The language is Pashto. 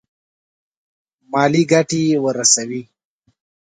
مالي ګټي ورسوي.